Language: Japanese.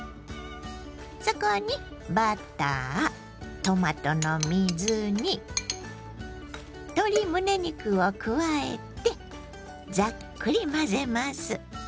そこにバタートマトの水煮鶏むね肉を加えてざっくり混ぜます。